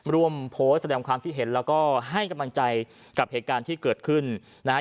ร่วมโพสต์แสดงความคิดเห็นแล้วก็ให้กำลังใจกับเหตุการณ์ที่เกิดขึ้นนะฮะ